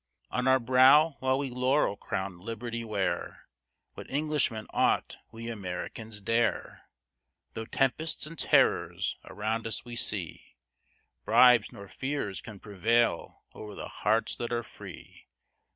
On our brow while we laurel crown'd Liberty wear, What Englishmen ought we Americans dare; Though tempests and terrors around us we see, Bribes nor fears can prevail o'er the hearts that are free.